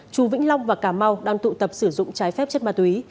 chú vĩnh long và cà mau đang tụ tập sử dụng trái phép chất ma túy